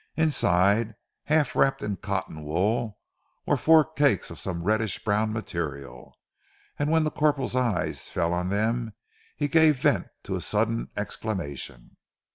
Inside half wrapped in cotton wool were four cakes of some reddish brown material, and when the corporal's eyes fell on them, he gave vent to a sudden exclamation.